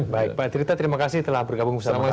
baik pak trita terima kasih telah bergabung bersama kami